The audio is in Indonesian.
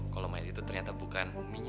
kalau maya itu ternyata bukan umminya